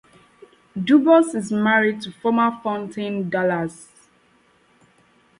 Dubus is married to performer Fontaine Dollas.